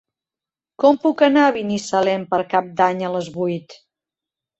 Com puc anar a Binissalem per Cap d'Any a les vuit?